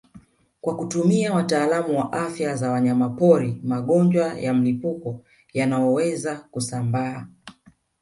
Kwa kutumia watalaamu afya za wanyamapori magonjwa ya mlipuko yanayoweza kusambaa